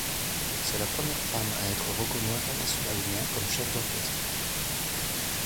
C'est la première femme à être reconnue internationalement comme chef d'orchestre.